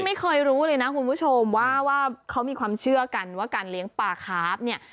ไม่เคยรู้เลยนะคุณผู้ชมว่าเขามีความเชื่อกันว่าการเลี้ยงปลาคาร์ฟเนี่ย